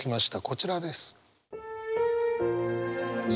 こちらです。